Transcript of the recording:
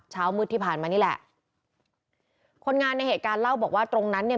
เช้ามืดที่ผ่านมานี่แหละคนงานในเหตุการณ์เล่าบอกว่าตรงนั้นเนี่ย